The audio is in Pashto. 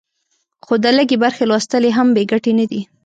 خو د لږې برخې لوستل یې هم بې ګټې نه دي.